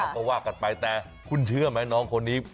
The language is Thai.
ก็ว่ากันไปแต่คุณเชื่อไหมน้องคนนี้